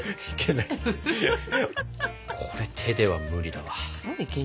これ手では無理だわ。